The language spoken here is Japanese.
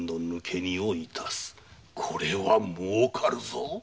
これは儲かるぞ。